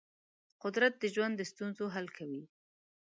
قدرت د ژوند د ستونزو حل کوي.